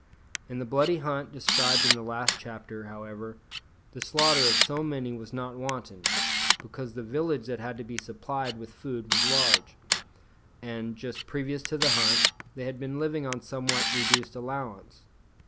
In the bloody hunt described in the last chapter, however, the slaughter of so many was not wanton, because the village that had to be supplied with food was large, and, just previous to the hunt, they had been living on somewhat reduced allowance.